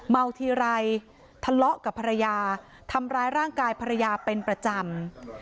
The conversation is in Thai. เมาทีไรทะเลาะกับภรรยาทำร้ายร่างกายภรรยาเป็นประจำ